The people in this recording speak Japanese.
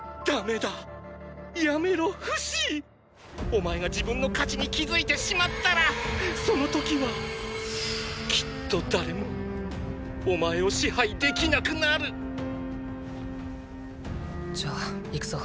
お前が自分の価値に気付いてしまったらその時はきっと誰もお前を支配できなくなるじゃあいくぞ。！